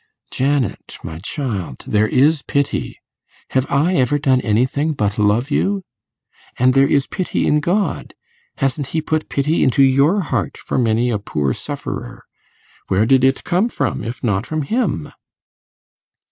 'Janet, my child, there is pity. Have I ever done anything but love you? And there is pity in God. Hasn't He put pity into your heart for many a poor sufferer? Where did it come from, if not from Him?